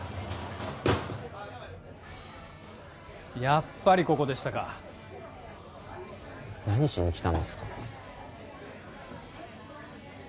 やっぱりここでしたか何しに来たんですか？